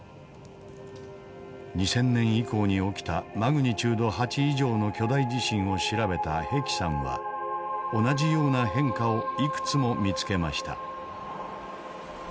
２０００年以降に起きたマグニチュード８以上の巨大地震を調べた日置さんは同じような変化をいくつも見つけました。